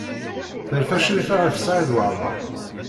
Terfa Crifa ɣef Saɛid Waɛmaṛ?